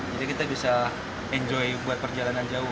jadi kita bisa enjoy buat perjalanan jauh